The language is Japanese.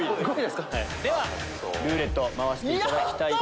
ではルーレット回していただきます。